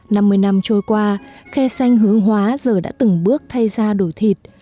năm mươi năm trôi qua khe xanh hướng hóa giờ đã từng bước thay ra đổi thịt